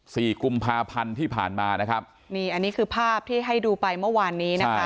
สี่กุมภาพันธ์ที่ผ่านมานะครับนี่อันนี้คือภาพที่ให้ดูไปเมื่อวานนี้นะคะ